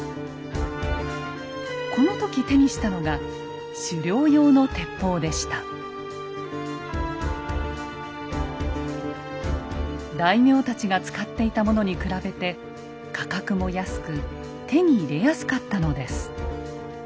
この時手にしたのが大名たちが使っていたものに比べて価格も安く手に入れやすかったのです。